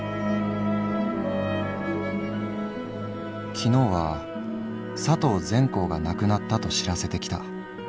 「昨日は佐藤全孝が亡くなったと知らせてきた。